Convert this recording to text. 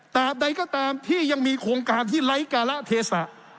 ใดก็ตามที่ยังมีโครงการที่ไร้การะเทศะ